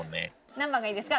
何番がいいですか？